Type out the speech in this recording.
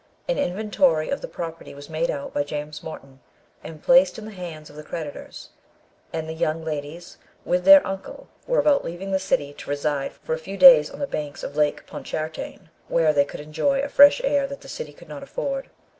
An inventory of the property was made out by James Morton, and placed in the hands of the creditors; and the young ladies, with their uncle, were about leaving the city to reside for a few days on the banks of Lake Pontchartrain, where they could enjoy a fresh air that the city could not afford.